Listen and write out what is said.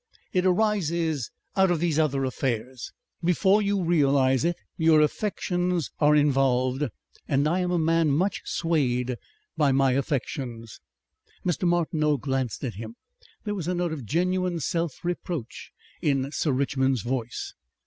"It arises out of these other affairs. Before you realize it your affections are involved. I am a man much swayed by my affections." Mr. Martineau glanced at him. There was a note of genuine self reproach in Sir Richmond's voice.